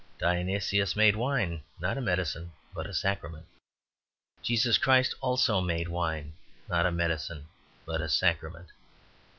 Dionysus made wine, not a medicine, but a sacrament. Jesus Christ also made wine, not a medicine, but a sacrament.